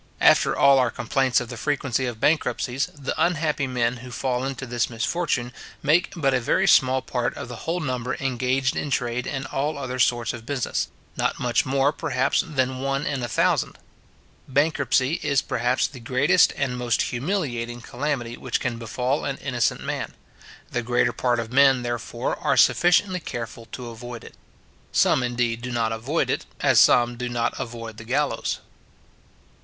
After all our complaints of the frequency of bankruptcies, the unhappy men who fall into this misfortune, make but a very small part of the whole number engaged in trade, and all other sorts of business; not much more, perhaps, than one in a thousand. Bankruptcy is, perhaps, the greatest and most humiliating calamity which can befal an innocent man. The greater part of men, therefore, are sufficiently careful to avoid it. Some, indeed, do not avoid it; as some do not avoid the gallows.